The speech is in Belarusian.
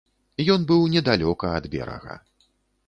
Ён быў недалёка ад берага.